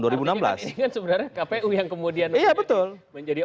ini kan sebenarnya kpu yang kemudian menjadi orang yang dibolehkan